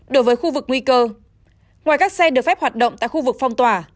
đối với khu vực nguy cơ ngoài các xe được phép hoạt động tại khu vực phong tỏa